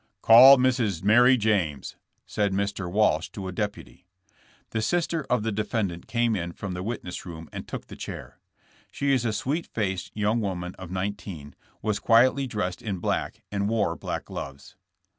*'Call Miss Mary James," said Mr. Walsh to a deputy. The sister of the defendant came in from the witness room and took the chair. She is a sweet faced young woman of nineteen, was quietly dressed in black and wore black gloves.